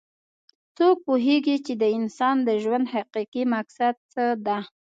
څوک پوهیږي چې د انسان د ژوند حقیقي مقصد څه ده